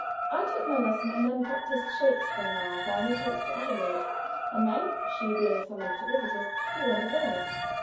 I took my lesson and then practiced shakes for an hour, while he talked to Adelaide; and then, she being summoned to visitors, he went away.